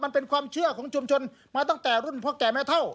มันเป็นความเชื่อของชุมชนมาตั้งแต่รุ่นพ่อแก่แม่เท่า